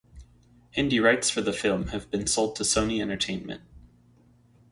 Hindi rights for the film have been sold to Sony Entertainment.